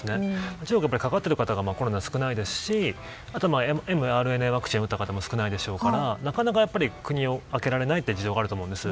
もちろんコロナにかかっている方は少ないですしあとはｍＲＮＡワクチンを打った方も少ないでしょうからなかなか国を開けられないという事情があるんだと思います。